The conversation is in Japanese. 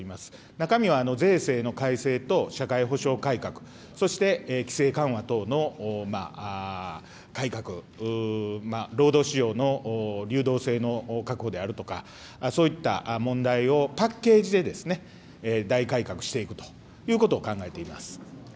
中身は税制の改正と社会保障改革、そして規制緩和等の改革、労働市場の流動性の確保であるとか、そういった問題をパッケージで大改革していくということを考えています。